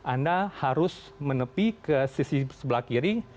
anda harus menepi ke sisi sebelah kiri